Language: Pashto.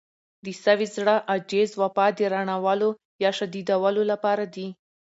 د سوي زړه، عجز، وفا د رڼولو يا شديدولو لپاره دي.